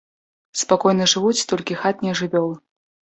Спакойна жывуць толькі хатнія жывёлы.